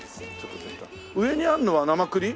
上にあるのは生クリ？